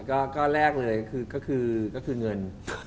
อ่าก็แรกเลยก็คือก็คือเงิน